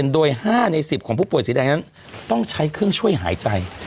โดย๕ใน๑๐ของผู้ป่วยสีแดงนั้นต้องใช้เครื่องช่วยหายใจ